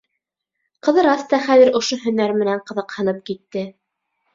Ҡыҙырас та хәҙер ошо һөнәр менән ҡыҙыҡһынып китте.